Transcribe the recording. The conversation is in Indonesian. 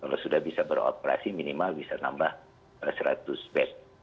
kalau sudah bisa beroperasi minimal bisa nambah seratus bed